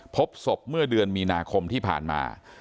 พบศพเมื่อเดือนมีนาคมที่ผ่านมา